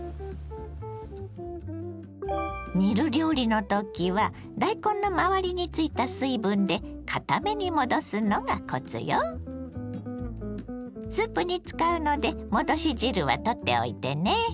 煮る料理の時は大根の周りについた水分でスープに使うので戻し汁は取っておいてね。